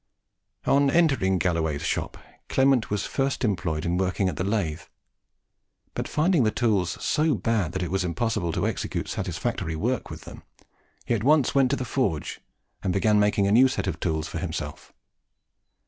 On entering Galloway's shop, Clement was first employed in working at the lathe; but finding the tools so bad that it was impossible to execute satisfactory work with them, he at once went to the forge, and began making a new set of tools for himself.